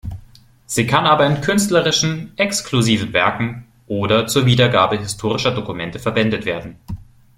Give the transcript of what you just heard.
Sie kann aber in künstlerischen, exklusiven Werken oder zur Wiedergabe historischer Dokumente verwendet werden.